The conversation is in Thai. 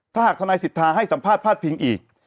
ถ้าหากทนายสิทธาให้สัมภาษณ์พาดพิงอีก